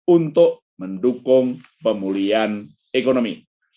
untuk mendukung pemulihan ekonomi